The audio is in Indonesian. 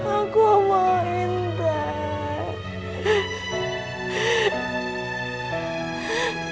aku mau intan